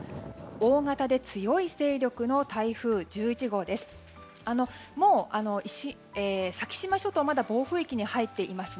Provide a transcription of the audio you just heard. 大型で強い勢力の台風１１号です。